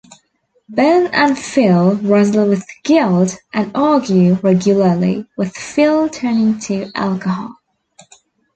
Ben and Phil wrestle with guilt and argue regularly, with Phil turning to alcohol.